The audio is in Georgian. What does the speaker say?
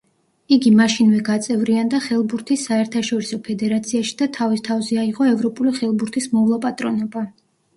იგი მაშინვე გაწევრიანდა ხელბურთის საერთაშორისო ფედერაციაში და თავის თავზე აიღო ევროპული ხელბურთის მოვლა-პატრონობა.